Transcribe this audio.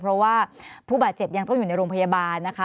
เพราะว่าผู้บาดเจ็บยังต้องอยู่ในโรงพยาบาลนะคะ